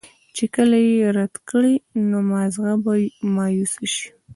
چې کله ئې رد کړي نو مازغۀ به مايوسه شي